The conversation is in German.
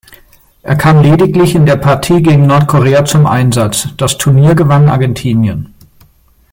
Er kam lediglich in der Partie gegen Nordkorea zum Einsatz; Das Turnier gewann Argentinien.